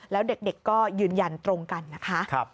แล้วเด็กก็ยืนยันตรงกันนะคะ